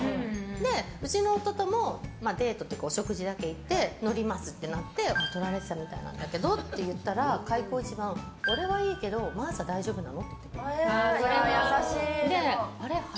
うちの夫ともデートというかお食事だけ行って載りますってなって撮られてたみたいなんだけどってなったら開口一番、俺はいいけど真麻大丈夫なの？